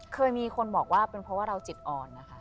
เคยมีคนบอกว่าเป็นเพราะว่าเราจิตอ่อนนะคะ